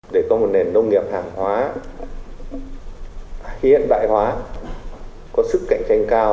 để có một nền nông nghiệp hàng hóa hiện đại hóa có sức cạnh tranh cao